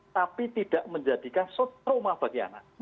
tapi tidak menjadikan trauma bagi anak